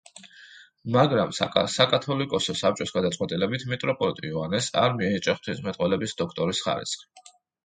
მაგრამ საკათოლიკოსო საბჭოს გადაწყვეტილებით მიტროპოლიტ იოანეს არ მიენიჭა ღვთისმეტყველების დოქტორის ხარისხი.